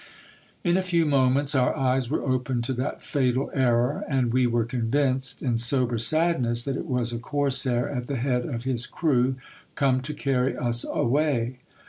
In a few moments our eyes were opened to that fatal error, and we were convinced, in sober sadness, that it was a corsair at the head of his crew, come to carry us away.